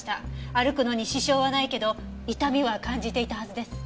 歩くのに支障はないけど痛みは感じていたはずです。